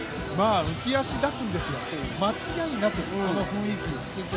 浮き足立つんですよ、間違いなくこの雰囲気。